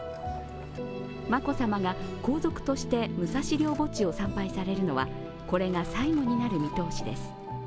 眞子さまが皇族として武蔵陵墓地を参拝されるのはこれが最後になる見通しです。